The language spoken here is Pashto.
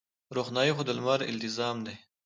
روښنايي خو د لمر التزام دی.